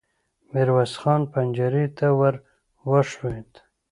ميرويس خان پنجرې ته ور وښويېد.